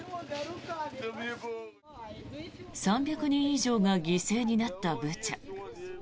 ３００人以上が犠牲になったブチャ。